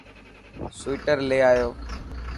سوئٽر لي آيو.